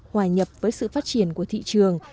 hòa nhập với sự phát triển của thị trường